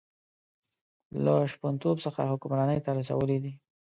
له شپونتوب څخه حکمرانۍ ته رسولی دی.